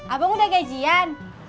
abang udah gajian